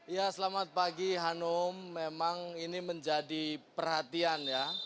ya selamat pagi hanum memang ini menjadi perhatian ya